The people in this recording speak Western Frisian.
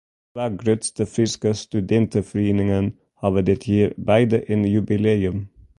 De twa grutste Fryske studinteferieningen hawwe dit jier beide in jubileum.